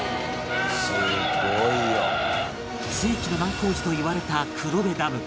世紀の大工事といわれた黒部ダム